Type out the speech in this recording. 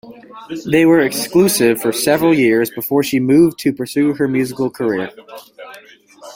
They were exclusive for several years before she moved to pursue her musical career.